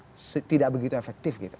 ternyata memang tidak begitu efektif gitu